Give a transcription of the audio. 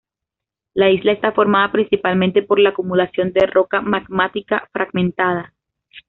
La isla está formada principalmente por la acumulación de roca magmática fragmentada.